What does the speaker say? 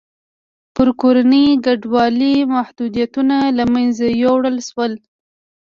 پر کورنۍ کډوالۍ محدودیتونه له منځه یووړل شول.